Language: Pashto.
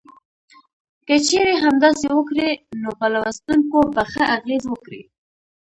که چېرې همداسې وکړي نو په لوستونکو به ښه اغیز وکړي.